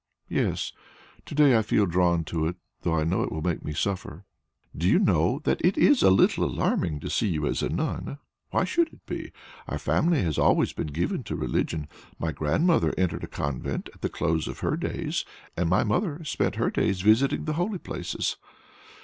"Yes. To day I feel drawn to it, though I know it will make me suffer." "Do you know that it is a little alarming to see you as a nun? Why should it be? Our family has been always given to religion; my grandmother entered a convent at the close of her days; and my mother spent her days in visiting the Holy Places."